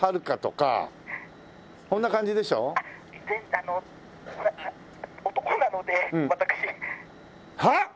あの男なので私」はあっ！？